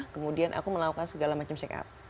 kemudian aku melakukan segala macam check up